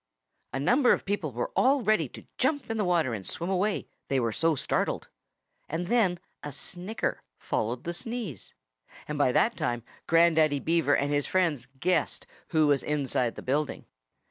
A number of people were all ready to jump into the water and swim away, they were so startled. And then a snicker followed the sneeze. And by that time Grandaddy Beaver and his friends guessed who was inside the building.